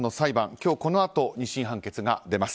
今日このあと２審判決が出ます。